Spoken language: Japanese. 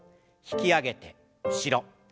引き上げて後ろ。